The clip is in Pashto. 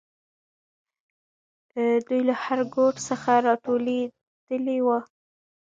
دوی له هر ګوټ څخه راټولېدلې وو.